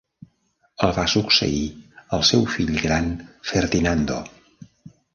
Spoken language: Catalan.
El va succeir el seu fill gran, Ferdinando.